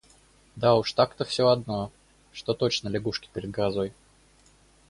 Да уж так-то всё одно, что точно лягушки перед грозой.